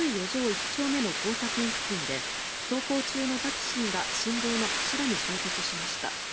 １丁目の交差点付近で走行中のタクシーが信号の柱に衝突しました。